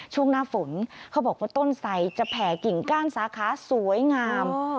ช่วงหน้าฝนเขาบอกว่าต้นไสจะแผ่กิ่งก้านสาขาสวยงาม